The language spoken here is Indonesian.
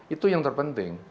itu yang terpenting